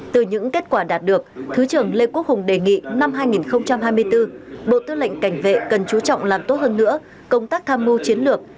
từ những kết quả đạt được thứ trưởng lê quốc hùng đề nghị năm hai nghìn hai mươi bốn bộ tư lệnh cảnh vệ cần chú trọng làm tốt hơn nữa công tác tham mưu chiến lược